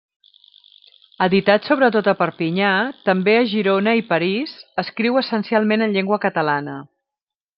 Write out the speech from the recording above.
Editat sobretot a Perpinyà, també a Girona i París, escriu essencialment en llengua catalana.